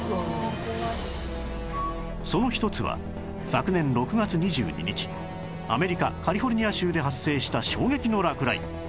その一つは昨年６月２２日アメリカカリフォルニア州で発生した衝撃の落雷